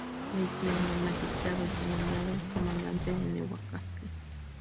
Le hicieron un magistrado y fue nombrado comandante de Newcastle.